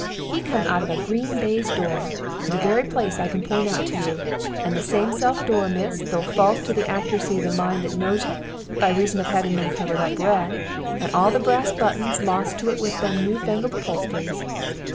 He come out of a green baize door the very place I can point out to you, and the selfsame door, miss, though false to the accuracy of the mind that knows it, by reason of having been covered up red, and all the brass buttons lost to it in them new fangled upholsteries.